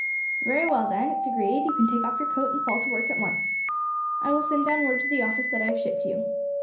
"Very well then, it's agreed; you can take off your coat and fall to work at once; I will send down word to the office that I have shipped you."